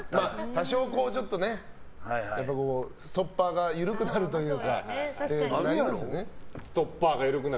多少ストッパーが緩くなるというか。